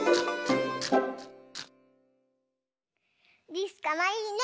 りすかわいいね！